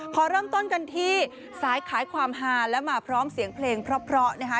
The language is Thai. ขอเริ่มต้นกันที่สายขายความฮาและมาพร้อมเสียงเพลงเพราะนะคะ